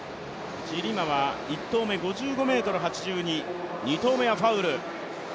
１投目５５ｍ８２、２投目はファウル。